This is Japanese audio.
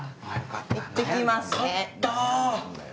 行って来ますね。